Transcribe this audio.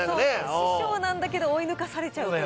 師匠なんだけど追い抜かされちゃうという。